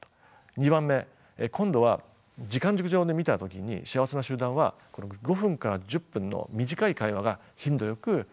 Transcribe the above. ２番目今度は時間軸上で見た時に幸せな集団は５分から１０分の短い会話が頻度よく度々行われると。